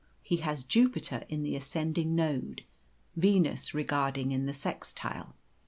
He has Jupiter in the ascending node, Venus regarding in the sextile.